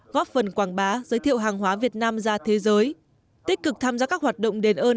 góp phần quảng bá giới thiệu hàng hóa việt nam ra thế giới tích cực tham gia các hoạt động đền ơn